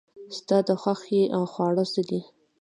ستا د خوښې خواړه څه دي؟